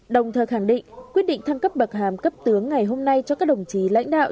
đồng thời khẳng định quyết định thăng cấp bậc hàm cấp tướng ngày hôm nay cho các đồng chí lãnh đạo